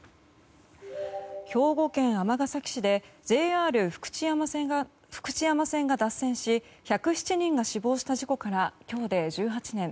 兵庫県尼崎市でＪＲ福知山線が脱線し１０７人が死亡した事故から今日で１８年。